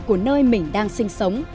của nơi mình đang sinh sống